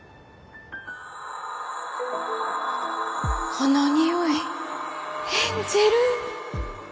この匂いエンジェル！